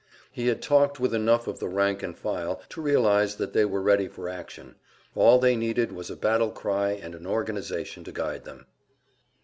He had talked with enough of the rank and file to realize that they were ready for action; all they needed was a battle cry and an organization to guide them.